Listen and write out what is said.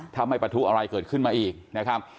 ถ้าไม่ประทุอะไรเกิดขึ้นมาอีกนะครับ